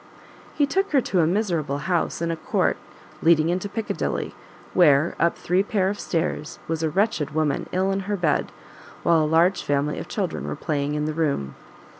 He took her to a miserable house in a court leading into Piccadilly, where, up three pair of stairs, was a wretched woman ill in bed, while a large family of children were playing in the room.